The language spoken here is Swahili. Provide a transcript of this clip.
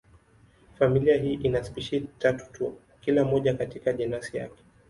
Familia hii ina spishi tatu tu, kila moja katika jenasi yake.